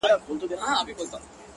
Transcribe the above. • مځکه ډکه له رمو سوه د پسونو ,